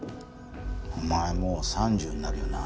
お前もう３０になるよな？